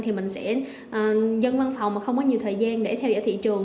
thì mình sẽ dân văn phòng mà không có nhiều thời gian để theo dõi thị trường